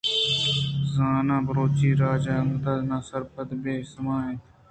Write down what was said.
زاناں بلوچ راج انگت ناسرپد ءُ بے سما اِنت!